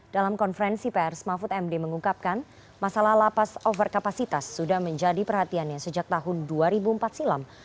dalam konferensi pers mahfud md mengungkapkan masalah lapas overkapasitas sudah menjadi perhatiannya sejak tahun dua ribu empat silam